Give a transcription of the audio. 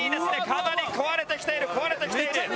かなり壊れてきている壊れてきている！